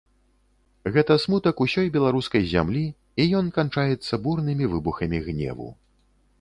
Гэта смутак усёй беларускай зямлі, і ён канчаецца бурнымі выбухамі гневу.